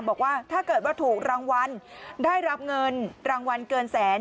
บอกว่าถ้าเกิดว่าถูกรางวัลได้รับเงินรางวัลเกินแสน